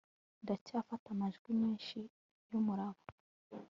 ndacyafata amajwi menshi yumuraba